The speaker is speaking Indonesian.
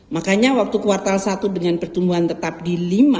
makanya waktu kuartal satu dengan pertumbuhan tetap di lima